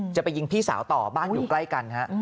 จะไปยิงพี่สาวต่อบ้านอยู่ใกล้กันฮะ